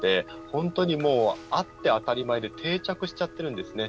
本当に、あって当たり前で定着しちゃってるんですね。